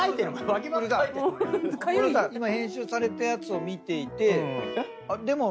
今編集されたやつを見ていてでも。